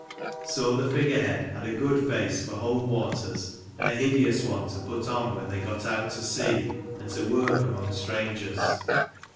So the figure head had a good face for home waters, and a hideous one to put on when they got out to sea and to work among strangers.